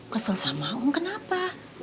kesel sama om kenapa